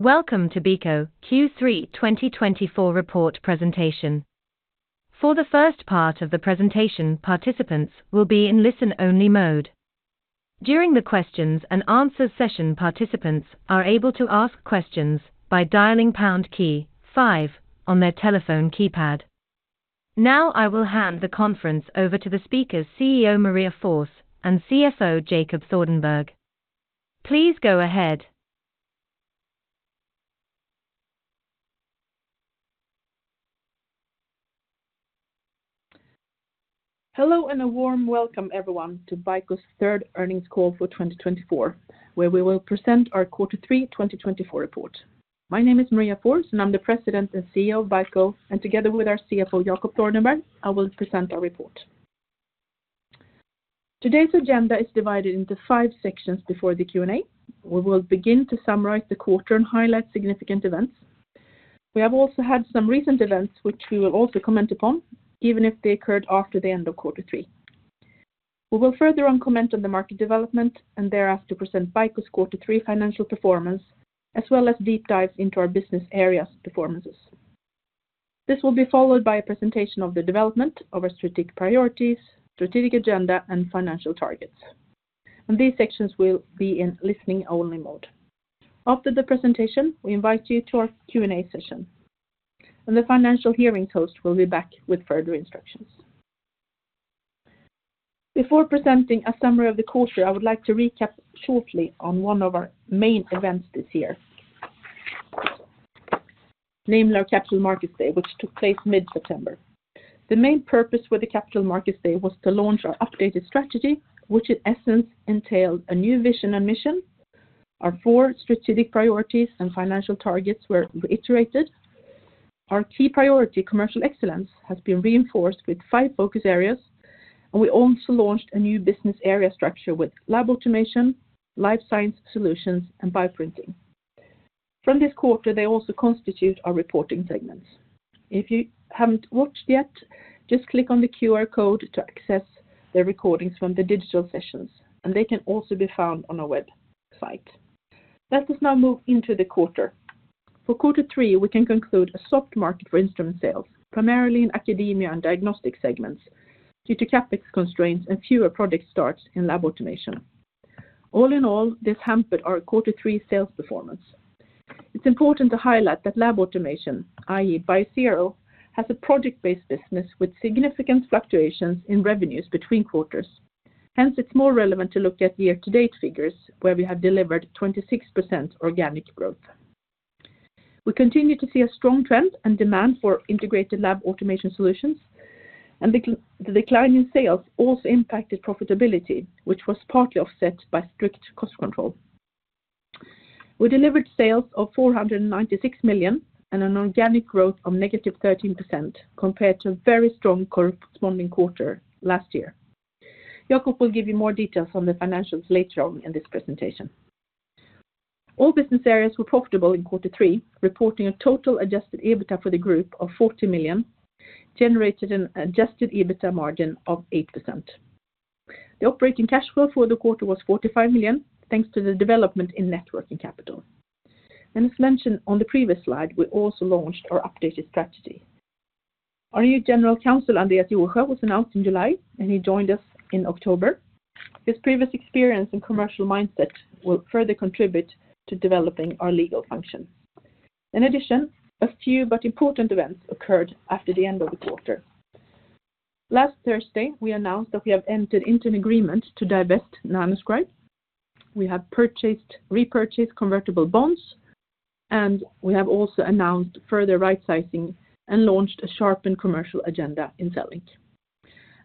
Welcome to BICO Q3 2024 report presentation. For the first part of the presentation, participants will be in listen-only mode. During the Q&A session, participants are able to ask questions by dialing pound key 5 on their telephone keypad. Now I will hand the conference over to the speakers, CEO Maria Forss and CFO Jacob Thordenberg. Please go ahead. Hello and a warm welcome, everyone, to BICO's third earnings call for 2024, where we will present our Q3 2024 report. My name is Maria Forss, and I'm the President and CEO of BICO, and together with our CFO Jacob Thordenberg, I will present our report. Today's agenda is divided into five sections before the Q&A. We will begin to summarize the quarter and highlight significant events. We have also had some recent events, which we will also comment upon, even if they occurred after the end of Q3. We will further on comment on the market development and thereafter present BICO's Q3 financial performance, as well as deep dives into our business areas' performances. This will be followed by a presentation of the development of our strategic priorities, strategic agenda, and financial targets, and these sections will be in listening-only mode. After the presentation, we invite you to our Q&A session, and the Financial Hearings host will be back with further instructions. Before presenting a summary of the quarter, I would like to recap shortly on one of our main events this year, namely our Capital Markets Day, which took place mid-September. The main purpose for the Capital Markets Day was to launch our updated strategy, which in essence entailed a new vision and mission. Our four strategic priorities and financial targets were reiterated. Our key priority, commercial excellence, has been reinforced with five focus areas, and we also launched a new business area structure with Lab Automation, Life Science Solutions, and Bioprinting. From this quarter, they also constitute our reporting segments. If you haven't watched yet, just click on the QR code to access the recordings from the digital sessions, and they can also be found on our website. Let us now move into the quarter. For Q3, we can conclude a soft market for instrument sales, primarily in academia and diagnostic segments, due to CapEx constraints and fewer project starts in Lab automation. All in all, this hampered our Q3 sales performance. It's important to highlight that Lab automation, i.e., Biosero, has a project-based business with significant fluctuations in revenues between quarters. Hence, it's more relevant to look at year-to-date figures, where we have delivered 26% organic growth. We continue to see a strong trend and demand for integrated Lab automation solutions, and the decline in sales also impacted profitability, which was partly offset by strict cost control. We delivered sales of 496 million and an organic growth of -13% compared to a very strong corresponding quarter last year. Jacob will give you more details on the financials later on in this presentation. All business areas were profitable in Q3, reporting a total adjusted EBITDA for the group of 40 million, generating an adjusted EBITDA margin of 8%. The operating cash flow for the quarter was 45 million, thanks to the development in net working capital. And as mentioned on the previous slide, we also launched our updated strategy. Our new general counsel, Andreas Jerger, was announced in July, and he joined us in October. His previous experience and commercial mindset will further contribute to developing our legal functions. In addition, a few but important events occurred after the end of the quarter. Last Thursday, we announced that we have entered into an agreement to divest Nanoscribe. We have repurchased convertible bonds, and we have also announced further Rightsizing and launched a sharpened commercial agenda in CELLINK.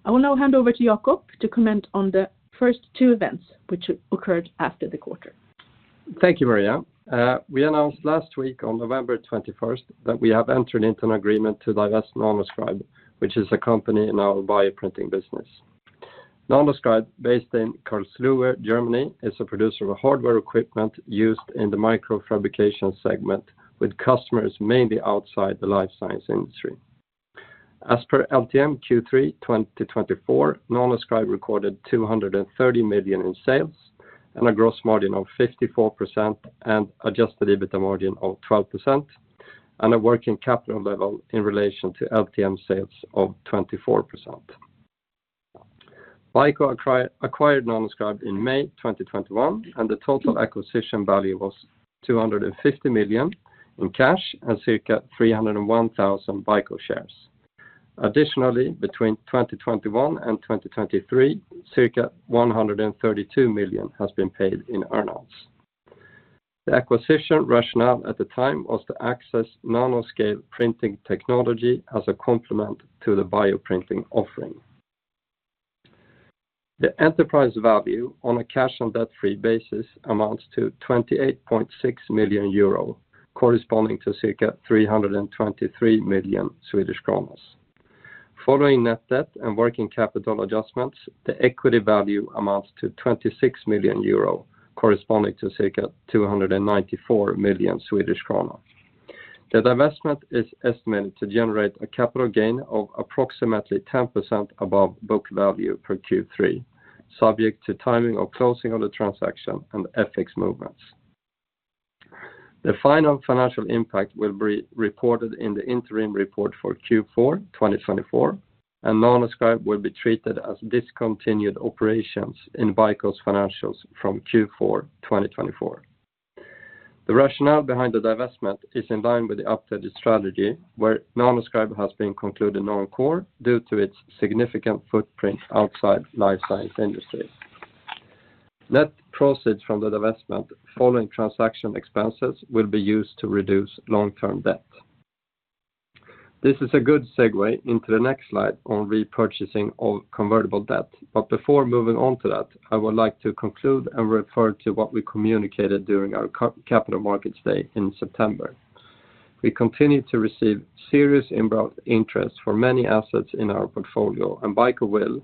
I will now hand over to Jacob to comment on the first two events, which occurred after the quarter. Thank you, Maria. We announced last week on November 21st that we have entered into an agreement to divest Nanoscribe, which is a company in our bioprinting business. Nanoscribe, based in Karlsruhe, Germany, is a producer of hardware equipment used in the microfabrication segment, with customers mainly outside the life science industry. As per LTM Q3 2024, Nanoscribe recorded 230 million in sales, and a gross margin of 54%, and adjusted EBITDA margin of 12%, and a working capital level in relation to LTM sales of 24%. BICO acquired Nanoscribe in May 2021, and the total acquisition value was 250 million in cash and circa 301,000 BICO shares. Additionally, between 2021 and 2023, circa 132 million has been paid in earnings. The acquisition rationale at the time was to access nanoscale printing technology as a complement to the bioprinting offering. The enterprise value, on a cash-and-debt-free basis, amounts to 28.6 million euro, corresponding to circa 323 million. Following net debt and working capital adjustments, the equity value amounts to 26 million euro, corresponding to circa 294 million Swedish krona. The divestment is estimated to generate a capital gain of approximately 10% above book value per Q3, subject to timing of closing of the transaction and FX movements. The final financial impact will be reported in the interim report for Q4 2024, and Nanoscribe will be treated as discontinued operations in BICO's financials from Q4 2024. The rationale behind the divestment is in line with the updated strategy, where Nanoscribe has been concluded non-core due to its significant footprint outside life science industries. Net profits from the divestment, following transaction expenses, will be used to reduce long-term debt. This is a good segue into the next slide on repurchasing of convertible debt, but before moving on to that, I would like to conclude and refer to what we communicated during our Capital Markets Day in September. We continue to receive serious inbound interest for many assets in our portfolio, and BICO will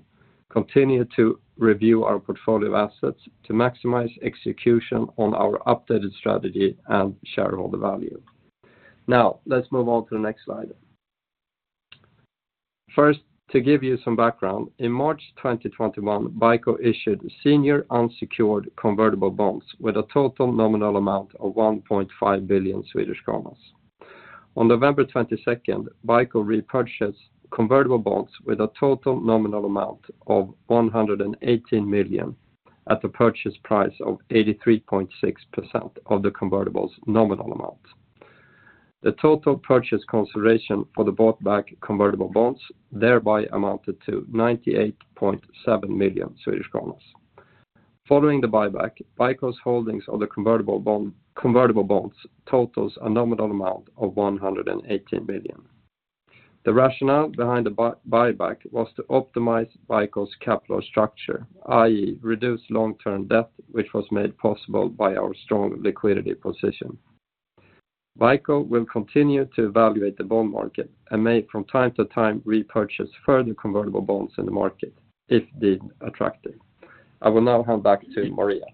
continue to review our portfolio assets to maximize execution on our updated strategy and shareholder value. Now, let's move on to the next slide. First, to give you some background, in March 2021, BICO issued senior unsecured convertible bonds with a total nominal amount of 1.5 billion Swedish kronor. On November 22nd, BICO repurchased convertible bonds with a total nominal amount of 118 million at a purchase price of 83.6% of the convertible's nominal amount. The total purchase consideration for the bought-back convertible bonds thereby amounted to 98.7 million. Following the buyback, BICO's holdings of the convertible bonds totaled a nominal amount of 118 million. The rationale behind the buyback was to optimize BICO's capital structure, i.e., reduce long-term debt, which was made possible by our strong liquidity position. BICO will continue to evaluate the bond market and may, from time to time, repurchase further convertible bonds in the market if deemed attractive. I will now hand back to Maria.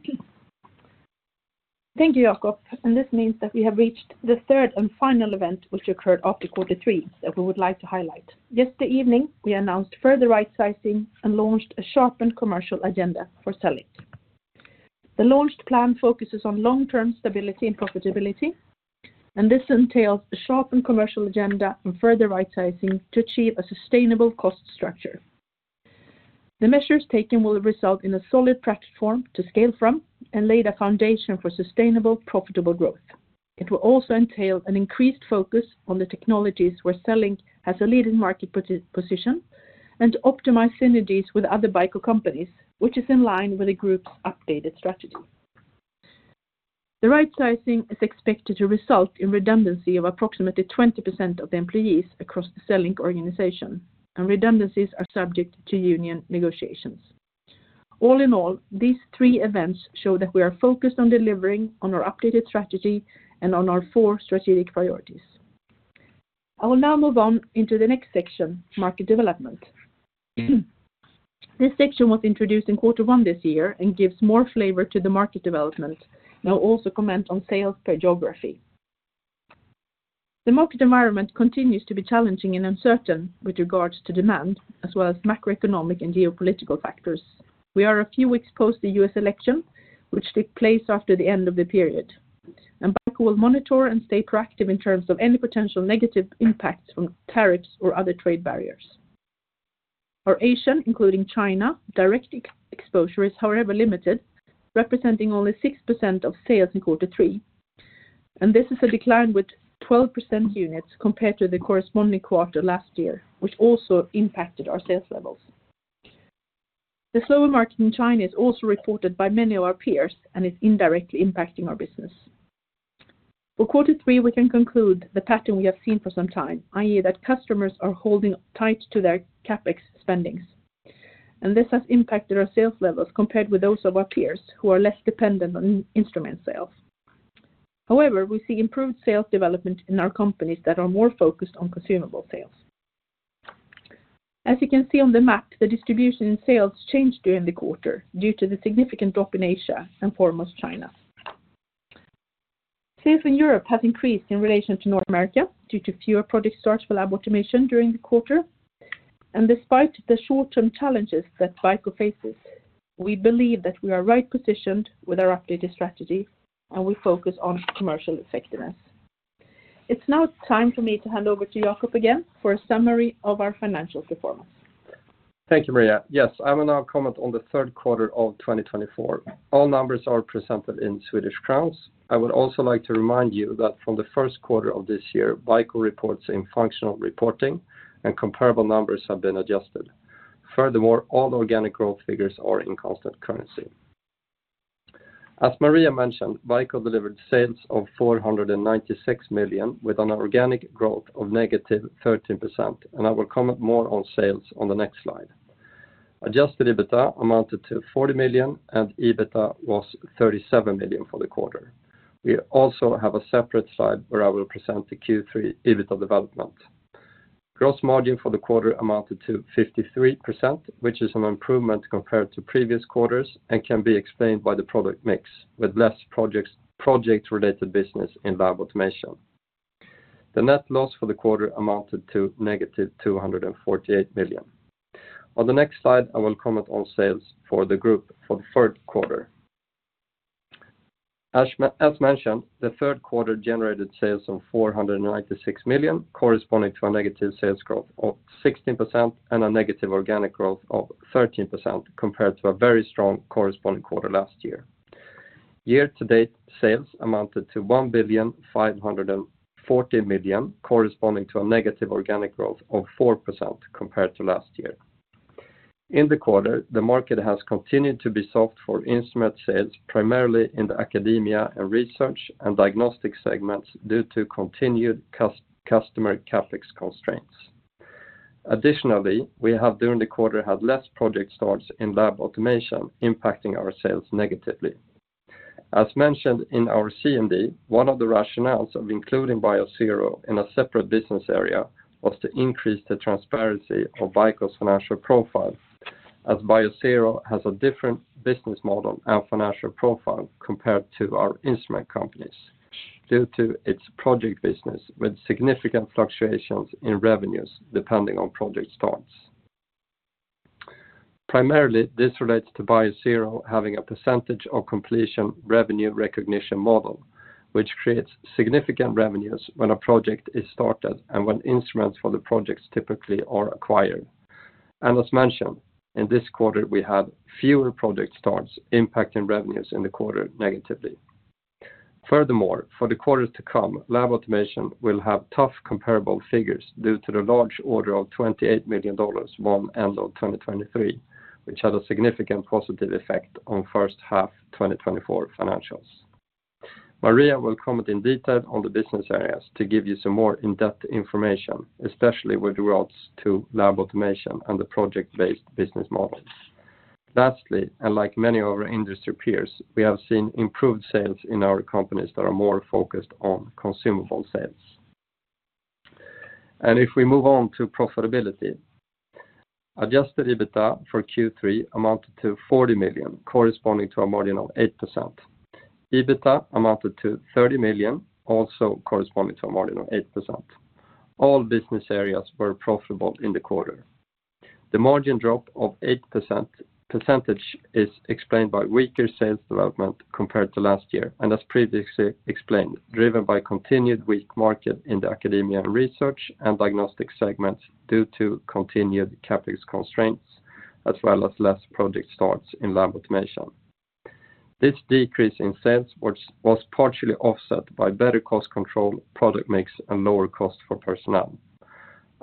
Thank you, Jacob. And this means that we have reached the third and final event, which occurred after Q3, that we would like to highlight. Yesterday evening, we announced further rightsizing and launched a sharpened commercial agenda for CELLINK. The launched plan focuses on long-term stability and profitability, and this entails a sharpened commercial agenda and further rightsizing to achieve a sustainable cost structure. The measures taken will result in a solid platform to scale from and lay the foundation for sustainable, profitable growth. It will also entail an increased focus on the technologies where CELLINK has a leading market position and to optimize synergies with other BICO companies, which is in line with the group's updated strategy. The rightsizing is expected to result in redundancy of approximately 20% of the employees across the CELLINK organization, and redundancies are subject to union negotiations. All in all, these three events show that we are focused on delivering on our updated strategy and on our four strategic priorities. I will now move on into the next section, market development. This section was introduced in Q1 this year and gives more flavor to the market development. I will also comment on sales per geography. The market environment continues to be challenging and uncertain with regards to demand, as well as macroeconomic and geopolitical factors. We are a few weeks post the U.S. election, which took place after the end of the period, and BICO will monitor and stay proactive in terms of any potential negative impacts from tariffs or other trade barriers. Our Asian, including China, direct exposure is, however, limited, representing only 6% of sales in Q3, and this is a decline with 12% units compared to the corresponding quarter last year, which also impacted our sales levels. The slower market in China is also reported by many of our peers and is indirectly impacting our business. For Q3, we can conclude the pattern we have seen for some time, i.e., that customers are holding tight to their CapEx spendings, and this has impacted our sales levels compared with those of our peers, who are less dependent on instrument sales. However, we see improved sales development in our companies that are more focused on consumable sales. As you can see on the map, the distribution in sales changed during the quarter due to the significant drop in Asia and foremost China. Sales in Europe have increased in relation to North America due to fewer project starts for lab automation during the quarter, and despite the short-term challenges that BICO faces, we believe that we are right positioned with our updated strategy, and we focus on commercial effectiveness. It's now time for me to hand over to Jacob again for a summary of our financial performance. Thank you, Maria. Yes, I will now comment on the third quarter of 2024. All numbers are presented in Swedish kronor. I would also like to remind you that from the first quarter of this year, BICO reports in functional reporting, and comparable numbers have been adjusted. Furthermore, all organic growth figures are in constant currency. As Maria mentioned, BICO delivered sales of 496 million with an organic growth of -13%, and I will comment more on sales on the next slide. Adjusted EBITDA amounted to 40 million, and EBITDA was 37 million for the quarter. We also have a separate slide where I will present the Q3 EBITDA development. Gross margin for the quarter amounted to 53%, which is an improvement compared to previous quarters and can be explained by the product mix, with less project-related business in lab automation. The net loss for the quarter amounted to -248 million. On the next slide, I will comment on sales for the group for the third quarter. As mentioned, the third quarter generated sales of 496 million, corresponding to a negative sales growth of 16% and a negative organic growth of 13% compared to a very strong corresponding quarter last year. Year-to-date sales amounted to 1,540 million, corresponding to a negative organic growth of 4% compared to last year. In the quarter, the market has continued to be soft for instrument sales, primarily in the academia and research and diagnostic segments due to continued customer CapEx constraints. Additionally, we have during the quarter had less project starts in lab automation, impacting our sales negatively. As mentioned in our CMD, one of the rationales of including Bioseros in a separate business area was to increase the transparency of BICO's financial profile, as Bioseros has a different business model and financial profile compared to our instrument companies due to its project business with significant fluctuations in revenues depending on project starts. Primarily, this relates to Biosero having a percentage of completion revenue recognition model, which creates significant revenues when a project is started and when instruments for the projects typically are acquired. And as mentioned, in this quarter, we had fewer project starts impacting revenues in the quarter negatively. Furthermore, for the quarter to come, lab automation will have tough comparable figures due to the large order of SEK 28 million from end of 2023, which had a significant positive effect on first half 2024 financials. Maria will comment in detail on the business areas to give you some more in-depth information, especially with regards to lab automation and the project-based business model. Lastly, and like many of our industry peers, we have seen improved sales in our companies that are more focused on consumable sales. And if we move on to profitability, adjusted EBITDA for Q3 amounted to 40 million, corresponding to a margin of 8%. EBITDA amounted to 30 million, also corresponding to a margin of 8%. All business areas were profitable in the quarter. The margin drop of 8% is explained by weaker sales development compared to last year, and as previously explained, driven by continued weak market in the academia and research and diagnostic segments due to continued CapEx constraints, as well as less project starts in lab automation. This decrease in sales was partially offset by better cost control, product mix, and lower cost for personnel.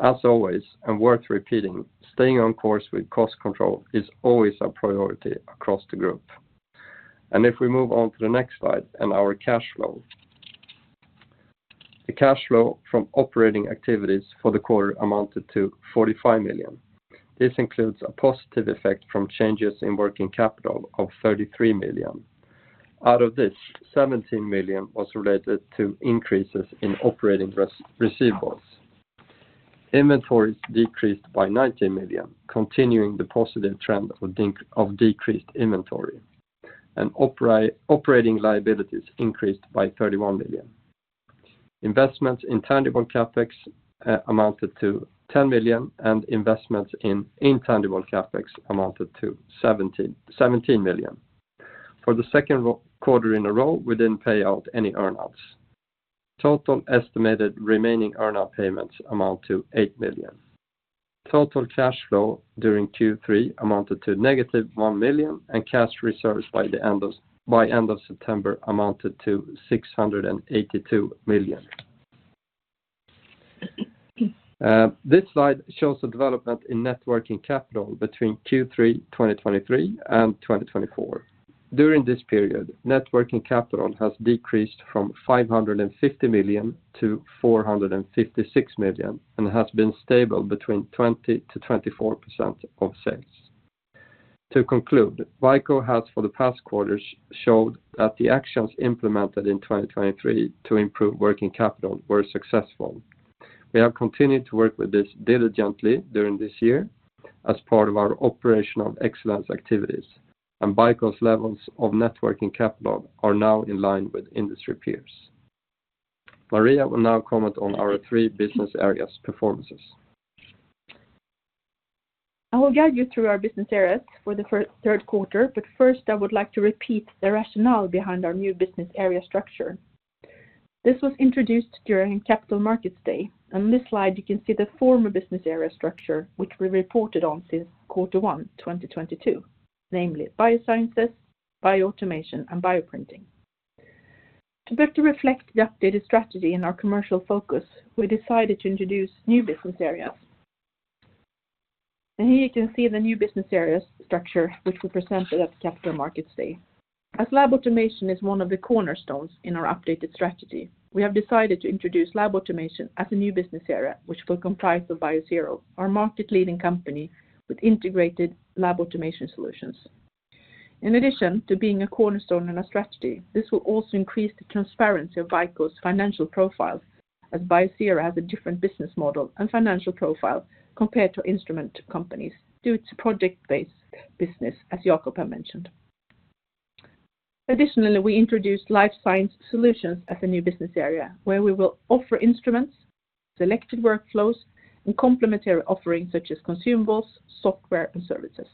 As always, and worth repeating, staying on course with cost control is always a priority across the group, and if we move on to the next slide and our cash flow, the cash flow from operating activities for the quarter amounted to 45 million. This includes a positive effect from changes in working capital of 33 million. Out of this, 17 million was related to increases in operating receivables. Inventories decreased by 19 million, continuing the positive trend of decreased inventory, and operating liabilities increased by 31 million. Investments in tangible CapEx amounted to 10 million, and investments in intangible CapEx amounted to 17 million. For the second quarter in a row, we didn't pay out any earnouts. Total estimated remaining earnout payments amount to 8 million. Total cash flow during Q3 amounted to -1 million, and cash reserves by the end of September amounted to 682 million. This slide shows the development in working capital between Q3 2023 and 2024. During this period, working capital has decreased from 550 million to 456 million and has been stable between 20%-24% of sales. To conclude, BICO has for the past quarters showed that the actions implemented in 2023 to improve working capital were successful. We have continued to work with this diligently during this year as part of our operational excellence activities, and BICO's levels of working capital are now in line with industry peers. Maria will now comment on our three business areas' performances. I will guide you through our business areas for the third quarter, but first, I would like to repeat the rationale behind our new business area structure. This was introduced during Capital Markets Day, and on this slide, you can see the former business area structure, which we reported on since Q1 2022, namely Biosciences, Bioautomation, and Bioprinting, but to reflect the updated strategy in our commercial focus, we decided to introduce new business areas, and here you can see the new business area structure, which we presented at Capital Markets Day. As lab automation is one of the cornerstones in our updated strategy, we have decided to introduce lab automation as a new business area, which will comprise of BIOS, our market-leading company with integrated lab automation solutions. In addition to being a cornerstone in our strategy, this will also increase the transparency of BICO's financial profile, as BIOS has a different business model and financial profile compared to instrument companies due to project-based business, as Jacob mentioned. Additionally, we introduced life science solutions as a new business area, where we will offer instruments, selected workflows, and complementary offerings such as consumables, software, and services.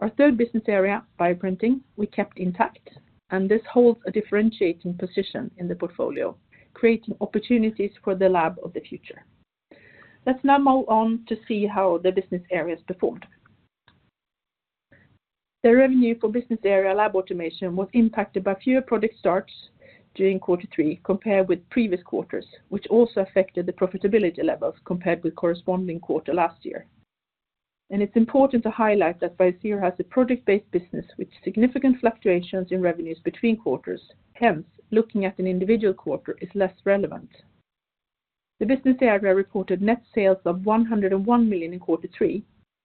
Our third business area, bioprinting, we kept intact, and this holds a differentiating position in the portfolio, creating opportunities for the lab of the future. Let's now move on to see how the business areas performed. The revenue for business area lab automation was impacted by fewer project starts during Q3 compared with previous quarters, which also affected the profitability levels compared with the corresponding quarter last year. It's important to highlight that BIOS has a project-based business with significant fluctuations in revenues between quarters. Hence, looking at an individual quarter is less relevant. The business area reported net sales of 101 million in Q3, and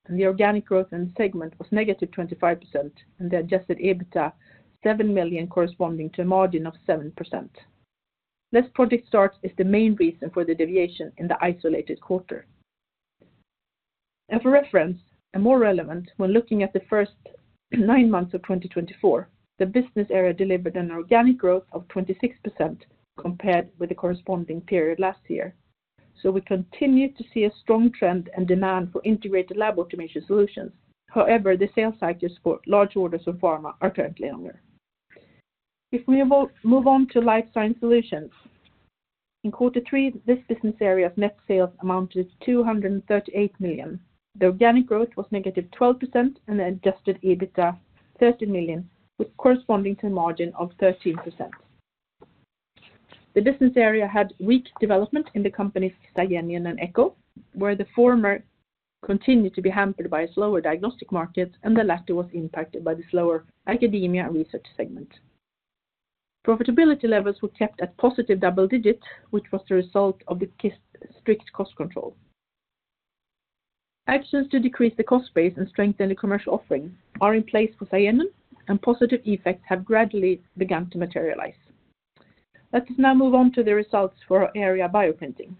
the organic growth in the segment was -25%, and the Adjusted EBITDA 7 million, corresponding to a margin of 7%. Less project starts is the main reason for the deviation in the isolated quarter. As a reference, and more relevant, when looking at the first nine months of 2024, the business area delivered an organic growth of 26% compared with the corresponding period last year. So we continue to see a strong trend and demand for integrated lab automation solutions. However, the sales cycles for large orders of pharma are currently longer. If we move on to life science solutions, in Q3, this business area's net sales amounted to 238 million. The organic growth was -12%, and the Adjusted EBITDA 13 million, corresponding to a margin of 13%. The business area had weak development in the companies CYTENA and Echo, where the former continued to be hampered by slower diagnostic markets, and the latter was impacted by the slower academia and research segment. Profitability levels were kept at positive double digits, which was the result of the strict cost control. Actions to decrease the cost base and strengthen the commercial offering are in place for CYTENA, and positive effects have gradually begun to materialize. Let's now move on to the results for area Bioprinting.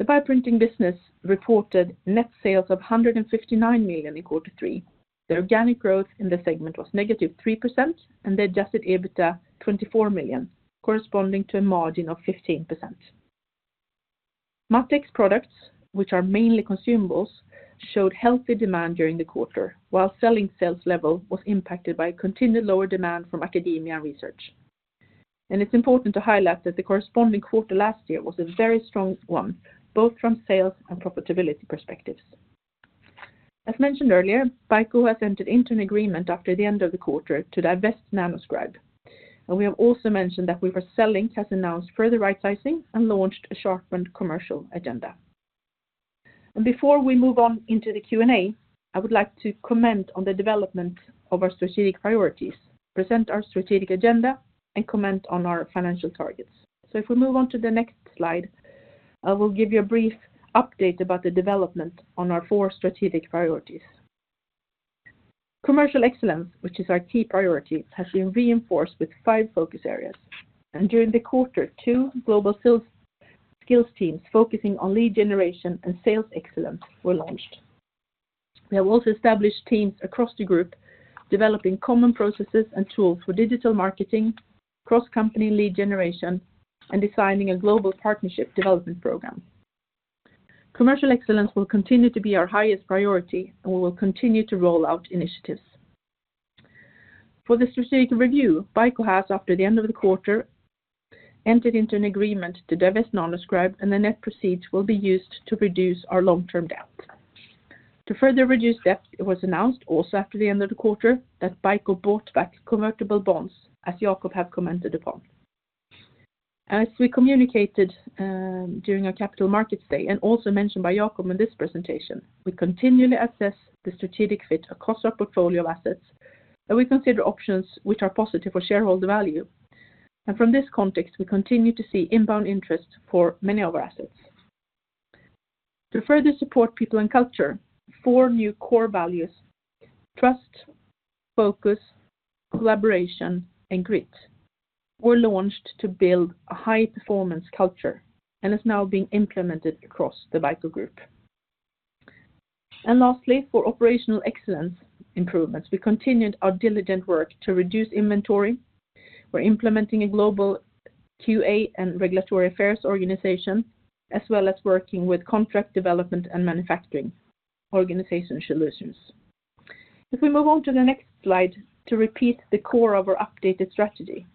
The bioprinting business reported net sales of 159 million in Q3. The organic growth in the segment was -3%, and the Adjusted EBITDA 24 million, corresponding to a margin of 15%. MatTek products, which are mainly consumables, showed healthy demand during the quarter, while sales level was impacted by continued lower demand from academia and research. It's important to highlight that the corresponding quarter last year was a very strong one, both from sales and profitability perspectives. As mentioned earlier, BICO has entered into an agreement after the end of the quarter to divest Nanoscribe, and we have also mentioned that BICO has announced further rightsizing and launched a sharpened commercial agenda. Before we move on into the Q&A, I would like to comment on the development of our strategic priorities, present our strategic agenda, and comment on our financial targets. If we move on to the next slide, I will give you a brief update about the development on our four strategic priorities. Commercial excellence, which is our key priority, has been reinforced with five focus areas. During the quarter, two global skills teams focusing on lead generation and sales excellence were launched. We have also established teams across the group developing common processes and tools for digital marketing, cross-company lead generation, and designing a global partnership development program. Commercial excellence will continue to be our highest priority, and we will continue to roll out initiatives. For the strategic review, BICO has, after the end of the quarter, entered into an agreement to divest Nanoscribe, and the net proceeds will be used to reduce our long-term debt. To further reduce debt, it was announced also after the end of the quarter that BICO bought back convertible bonds, as Jacob have commented upon. As we communicated during our Capital Markets Day, and also mentioned by Jacob in this presentation, we continually assess the strategic fit across our portfolio of assets, and we consider options which are positive for shareholder value, and from this context, we continue to see inbound interest for many of our assets. To further support people and culture, four new core values, trust, focus, collaboration, and grit, were launched to build a high-performance culture and is now being implemented across the BICO Group. And lastly, for operational excellence improvements, we continued our diligent work to reduce inventory. We're implementing a global QA and regulatory affairs organization, as well as working with contract development and manufacturing organization solutions. If we move on to the next slide to repeat the core of our updated strategy,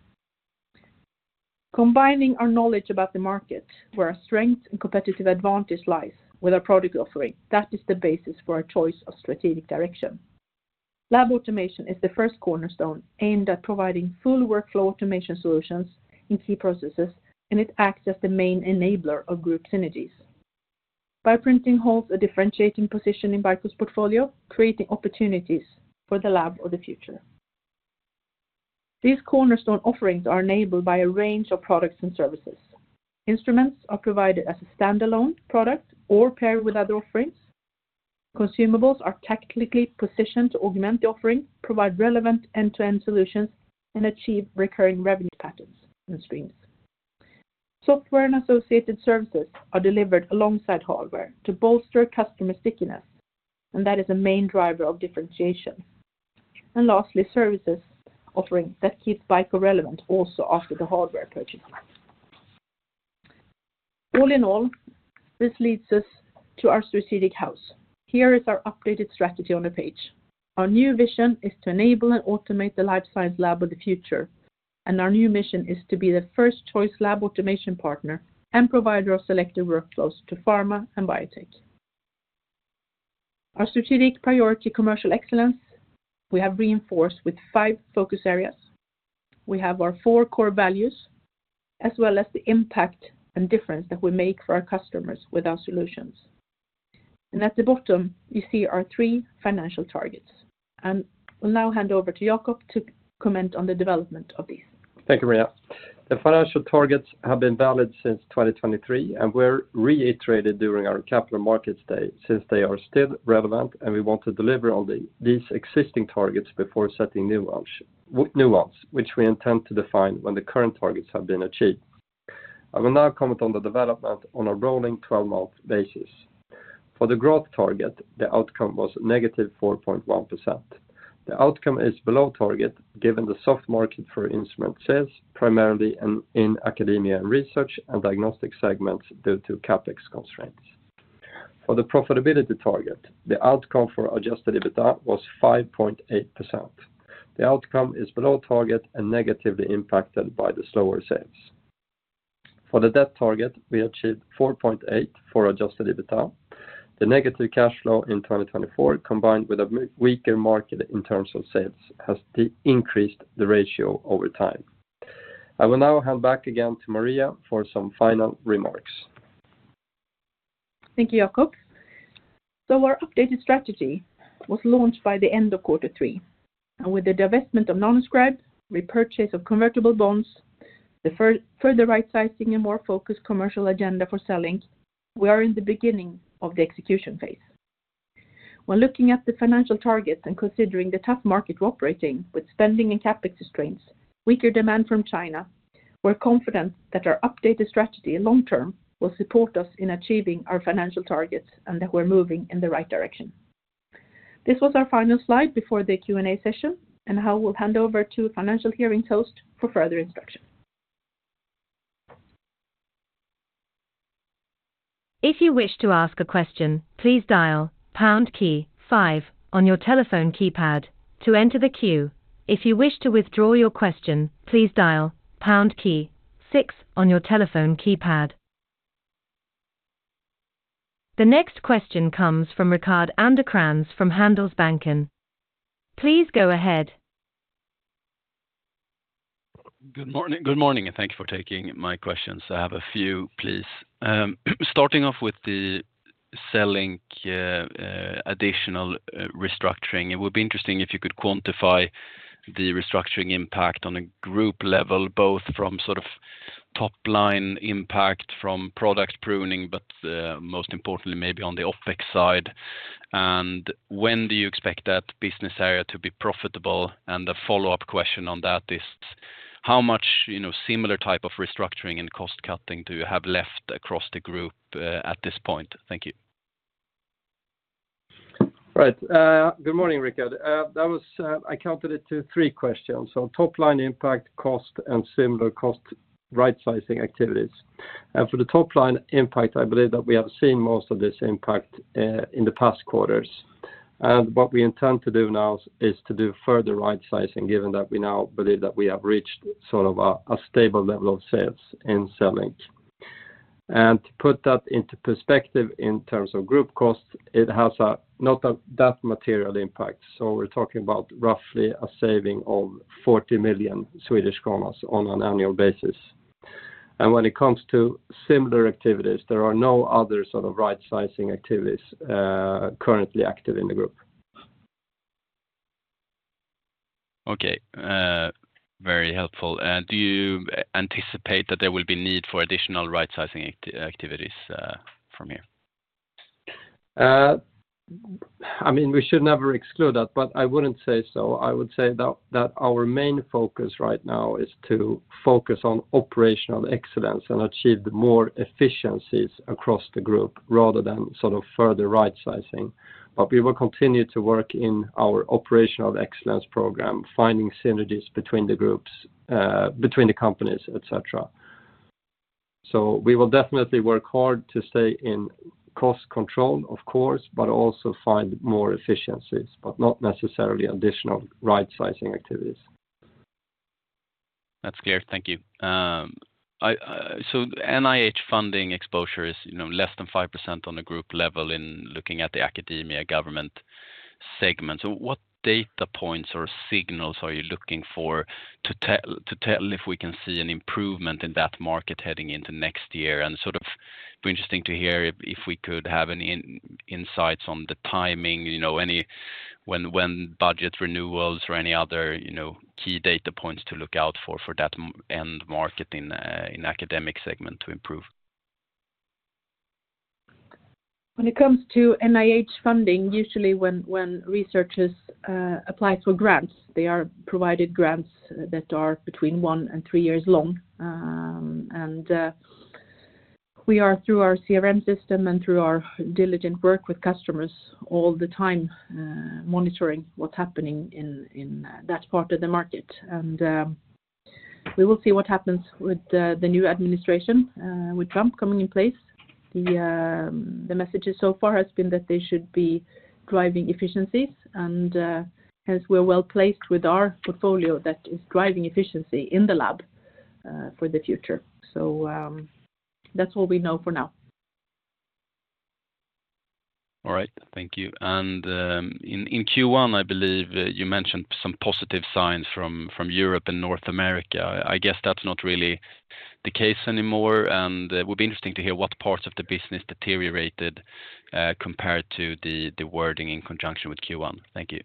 combining our knowledge about the market, where our strength and competitive advantage lies with our product offering, that is the basis for our choice of strategic direction. Lab automation is the first cornerstone aimed at providing full workflow automation solutions in key processes, and it acts as the main enabler of group synergies. Bioprinting holds a differentiating position in BICO's portfolio, creating opportunities for the lab of the future. These cornerstone offerings are enabled by a range of products and services. Instruments are provided as a standalone product or paired with other offerings. Consumables are technically positioned to augment the offering, provide relevant end-to-end solutions, and achieve recurring revenue patterns and streams. Software and associated services are delivered alongside hardware to bolster customer stickiness, and that is a main driver of differentiation. And lastly, services offering that keeps BICO relevant also after the hardware purchase. All in all, this leads us to our strategic house. Here is our updated strategy on the page. Our new vision is to enable and automate the life science lab of the future, and our new mission is to be the first choice lab automation partner and provider of selective workflows to pharma and biotech. Our strategic priority commercial excellence, we have reinforced with five focus areas. We have our four core values, as well as the impact and difference that we make for our customers with our solutions. And at the bottom, you see our three financial targets. And I'll now hand over to Jacob to comment on the development of these. Thank you, Maria. The financial targets have been valid since 2023, and were reiterated during our Capital Markets Day since they are still relevant, and we want to deliver on these existing targets before setting new ones, which we intend to define when the current targets have been achieved. I will now comment on the development on a rolling 12-month basis. For the growth target, the outcome was negative 4.1%. The outcome is below target given the soft market for instrument sales, primarily in academia and research and diagnostic segments due to CapEx constraints. For the profitability target, the outcome for adjusted EBITDA was 5.8%. The outcome is below target and negatively impacted by the slower sales. For the debt target, we achieved 4.8 for adjusted EBITDA. The negative cash flow in 2024, combined with a weaker market in terms of sales, has increased the ratio over time. I will now hand back again to Maria for some final remarks. Thank you, Jacob. So our updated strategy was launched by the end of Q3. And with the divestment of Nanoscribe, repurchase of convertible bonds, the further rightsizing, and more focused commercial agenda for selling, we are in the beginning of the execution phase. When looking at the financial targets and considering the tough market we're operating with spending and CapEx restraints, weaker demand from China, we're confident that our updated strategy long-term will support us in achieving our financial targets and that we're moving in the right direction. This was our final slide before the Q&A session, and I will hand over to Financial Hearings host for further instruction. If you wish to ask a question, please dial #5 on your telephone keypad to enter the queue. If you wish to withdraw your question, please dial #6 on your telephone keypad. The next question comes from Rickard Anderkrans from Handelsbanken. Please go ahead. Good morning. Good morning, and thank you for taking my questions. I have a few, please. Starting off with the CELLINK additional restructuring, it would be interesting if you could quantify the restructuring impact on a group level, both from sort of top-line impact from product pruning, but most importantly, maybe on the OpEx side. And when do you expect that business area to be profitable? And the follow-up question on that is, how much similar type of restructuring and cost cutting do you have left across the group at this point? Thank you. Right. Good morning, Ricard. I counted it to three questions. Top-line impact, cost, and similar cost rightsizing activities. For the top-line impact, I believe that we have seen most of this impact in the past quarters. What we intend to do now is to do further rightsizing, given that we now believe that we have reached sort of a stable level of sales in CELLINK. To put that into perspective in terms of group costs, it has not that material impact. We're talking about roughly a saving of 40 million Swedish kronor on an annual basis. When it comes to similar activities, there are no other sort of rightsizing activities currently active in the group. Okay. Very helpful. And do you anticipate that there will be need for additional rightsizing activities from here? I mean, we should never exclude that, but I wouldn't say so. I would say that our main focus right now is to focus on Operational Excellence and achieve more efficiencies across the group rather than sort of further Rightsizing. But we will continue to work in our Operational Excellence program, finding synergies between the groups, between the companies, etc. So we will definitely work hard to stay in cost control, of course, but also find more efficiencies, but not necessarily additional Rightsizing activities. That's clear. Thank you. So NIH funding exposure is less than 5% on a group level in looking at the academia government segment. So what data points or signals are you looking for to tell if we can see an improvement in that market heading into next year? And sort of it'd be interesting to hear if we could have any insights on the timing, when budget renewals or any other key data points to look out for that end market in academic segment to improve. When it comes to NIH funding, usually when researchers apply for grants, they are provided grants that are between one and three years long. And we are, through our CRM system and through our diligent work with customers all the time, monitoring what's happening in that part of the market. And we will see what happens with the new administration with Trump coming in place. The message so far has been that they should be driving efficiencies, and hence we're well placed with our portfolio that is driving efficiency in the lab for the future. So that's all we know for now. All right. Thank you, and in Q1, I believe you mentioned some positive signs from Europe and North America. I guess that's not really the case anymore, and it would be interesting to hear what parts of the business deteriorated compared to the wording in conjunction with Q1. Thank you.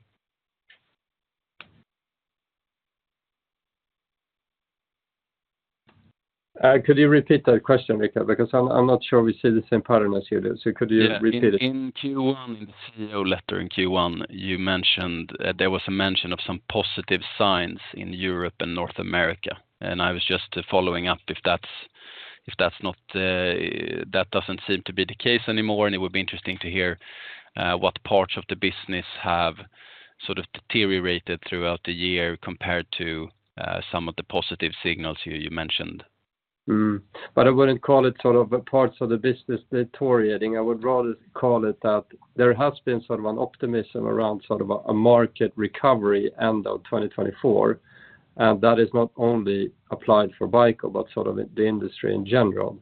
Could you repeat that question, Ricard? Because I'm not sure we see the same pattern as you do. So could you repeat it? In Q1, in the CEO letter in Q1, there was a mention of some positive signs in Europe and North America, and I was just following up if that doesn't seem to be the case anymore, and it would be interesting to hear what parts of the business have sort of deteriorated throughout the year compared to some of the positive signals you mentioned. But I wouldn't call it sort of parts of the business deteriorating. I would rather call it that there has been sort of an optimism around sort of a market recovery end of 2024. And that is not only applied for BICO, but sort of the industry in general.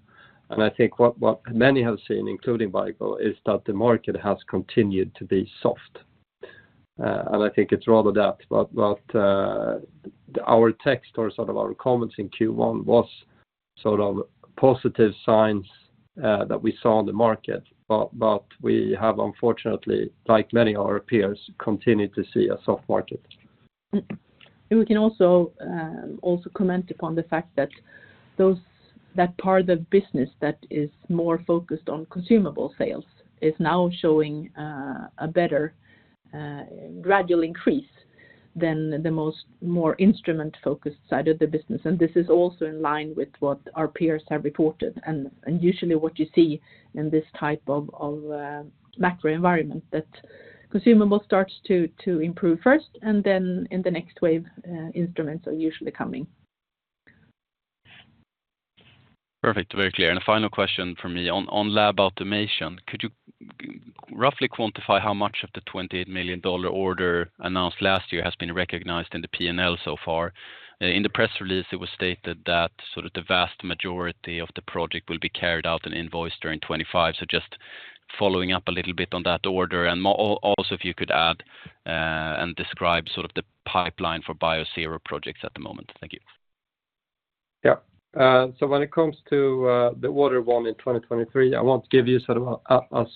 And I think what many have seen, including BICO, is that the market has continued to be soft. And I think it's rather that. But our text or sort of our comments in Q1 was sort of positive signs that we saw in the market. But we have, unfortunately, like many of our peers, continued to see a soft market. We can also comment upon the fact that that part of business that is more focused on consumable sales is now showing a better gradual increase than the more instrument-focused side of the business. And this is also in line with what our peers have reported. And usually what you see in this type of macro environment, that consumable starts to improve first, and then in the next wave, instruments are usually coming. Perfect. Very clear. And a final question from me on lab automation. Could you roughly quantify how much of the SEK 28 million order announced last year has been recognized in the P&L so far? In the press release, it was stated that sort of the vast majority of the project will be carried out and invoiced during 2025. So just following up a little bit on that order. And also, if you could add and describe sort of the pipeline for Biosero projects at the moment? Thank you. Yeah. So when it comes to the order won in 2023, I won't give you sort of a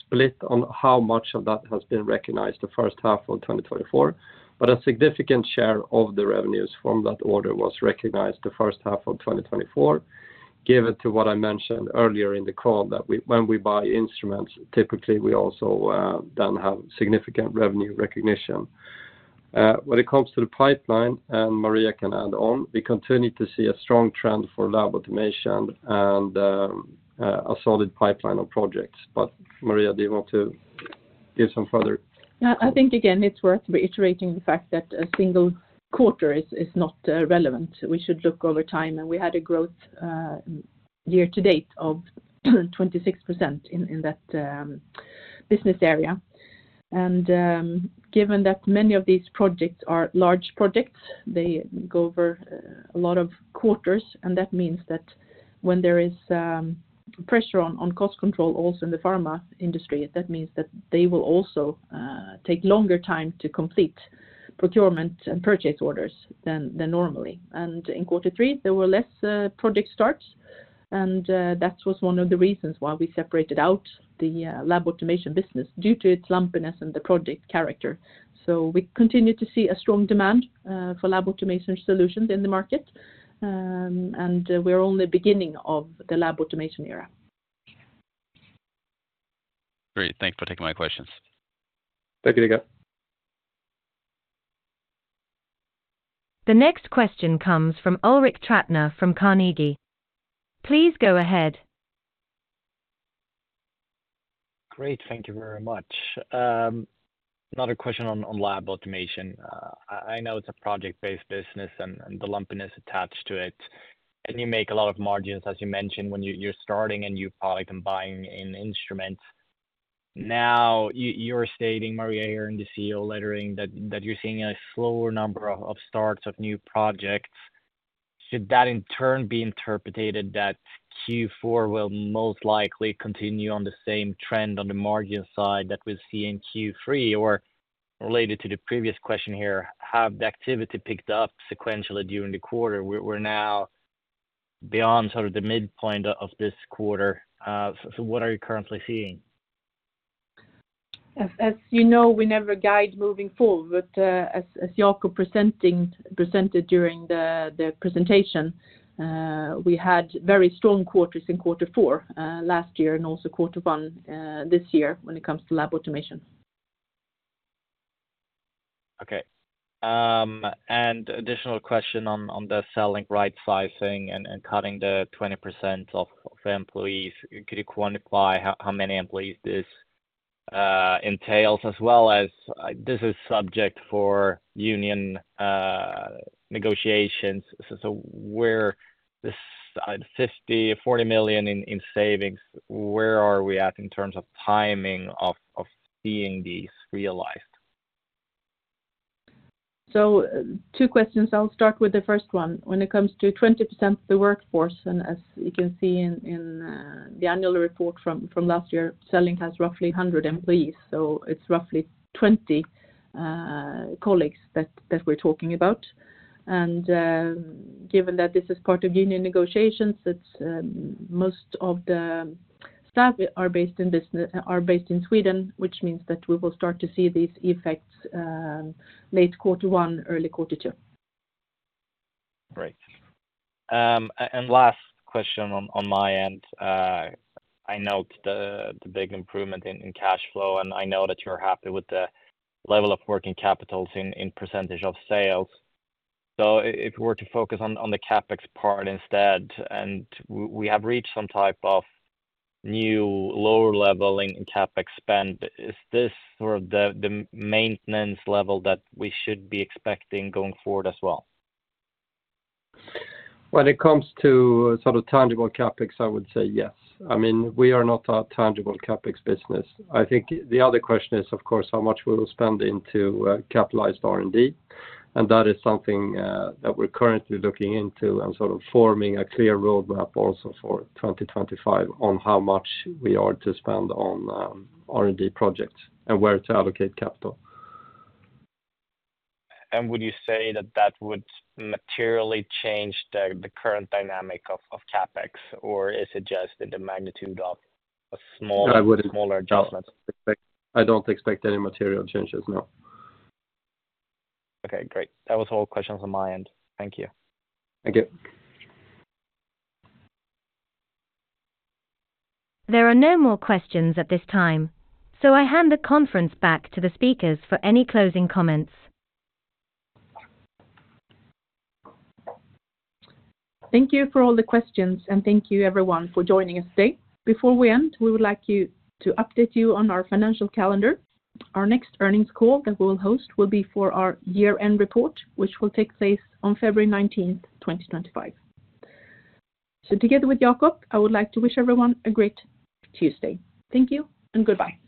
split on how much of that has been recognized in the first half of 2024. But a significant share of the revenues from that order was recognized in the first half of 2024, given what I mentioned earlier in the call that when we sell instruments, typically we also then have significant revenue recognition. When it comes to the pipeline, and Maria can add on, we continue to see a strong trend for lab automation and a solid pipeline of projects. But Maria, do you want to give some further? I think, again, it's worth reiterating the fact that a single quarter is not relevant. We should look over time, and we had a growth year to date of 26% in that business area, and given that many of these projects are large projects, they go over a lot of quarters, and that means that when there is pressure on cost control also in the pharma industry, that means that they will also take longer time to complete procurement and purchase orders than normally, and in quarter three, there were less project starts, and that was one of the reasons why we separated out the lab automation business due to its lumpiness and the project character, so we continue to see a strong demand for lab automation solutions in the market, and we're only beginning of the lab automation era. Great. Thanks for taking my questions. Thank you, Ricard. The next question comes from Ulrik Trattner from Carnegie. Please go ahead. Great. Thank you very much. Another question on lab automation. I know it's a project-based business and the lumpiness attached to it. And you make a lot of margins, as you mentioned, when you're starting and you're probably buying in instruments. Now, you're stating, Maria, here in the CEO letter, that you're seeing a slower number of starts of new projects. Should that, in turn, be interpreted that Q4 will most likely continue on the same trend on the margin side that we'll see in Q3? Or related to the previous question here, have the activity picked up sequentially during the quarter? We're now beyond sort of the midpoint of this quarter. So what are you currently seeing? As you know, we never guide moving forward. But as Jacob presented during the presentation, we had very strong quarters in quarter four last year and also quarter one this year when it comes to lab automation. Okay. And additional question on the ongoing rightsizing and cutting the 20% of employees. Could you quantify how many employees this entails? As well as this is subject to union negotiations. So we're at 40-50 million in savings. Where are we at in terms of timing of seeing these realized? Two questions. I'll start with the first one. When it comes to 20% of the workforce, and as you can see in the annual report from last year, CELLINK has roughly 100 employees. It's roughly 20 colleagues that we're talking about. Given that this is part of union negotiations, most of the staff are based in Sweden, which means that we will start to see these effects late quarter one, early quarter two. Great. And last question on my end. I note the big improvement in cash flow, and I know that you're happy with the level of working capital as a percentage of sales. So if we were to focus on the CapEx part instead, and we have reached some type of new lower level in CapEx spend, is this sort of the maintenance level that we should be expecting going forward as well? When it comes to sort of tangible CapEx, I would say yes. I mean, we are not a tangible CapEx business. I think the other question is, of course, how much we will spend into capitalized R&D, and that is something that we're currently looking into and sort of forming a clear roadmap also for 2025 on how much we are to spend on R&D projects and where to allocate capital. Would you say that that would materially change the current dynamic of CapEx? Or is it just in the magnitude of a smaller adjustment? I don't expect any material changes, no. Okay. Great. That was all questions on my end. Thank you. Thank you. There are no more questions at this time. So I hand the conference back to the speakers for any closing comments. Thank you for all the questions, and thank you everyone for joining us today. Before we end, we would like to update you on our financial calendar. Our next earnings call that we will host will be for our year-end report, which will take place on February 19th, 2025. So together with Jacob, I would like to wish everyone a great Tuesday. Thank you and goodbye.